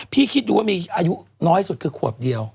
คิดดูว่ามีอายุน้อยสุดคือขวบเดียว